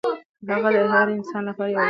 هغه د هر انسان لپاره یو الګو دی.